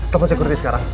telepon sekuriti sekarang